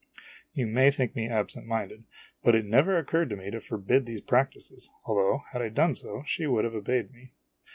You may think me absent minded ; but it never occurred to me to forbid these practices, although, had I done so, she would have obeyed me.